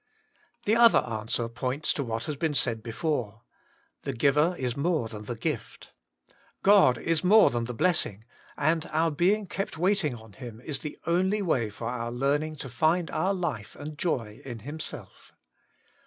The other answer points to what has been said before. The giver is more than the gift ; God is more than the blessing ; and our being kept waiting on Him is the only way for our learning to find our life and joy in Himself.